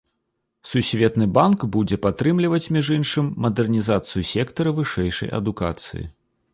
Сусветны банк будзе падтрымліваць, між іншым, мадэрнізацыю сектара вышэйшай адукацыі.